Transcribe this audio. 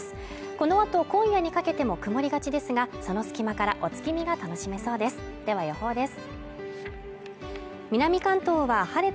このあと今夜にかけても曇りがちですがその隙間からお月見が楽しめそうですでは予報です